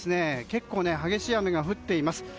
結構激しい雨が降っています。